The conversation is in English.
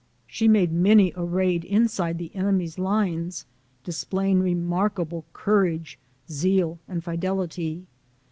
She made many a raid inside the enemy's lines, displaying remarkable courage, zeal, and fidelity.